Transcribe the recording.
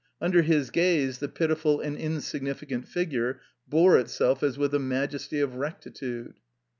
Under his gaze the pitiful and insignificant figure bore itself as with a majesty of rectitude.